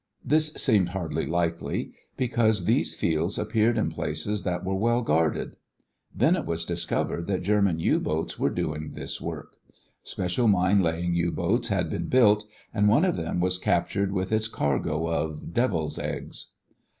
This seemed hardly likely, because these fields appeared in places that were well guarded. Then it was discovered that German U boats were doing this work. Special mine laying U boats had been built and one of them was captured with its cargo of "devil's eggs."